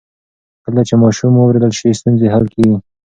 کله چې ماشوم واورېدل شي، ستونزې حل کېږي.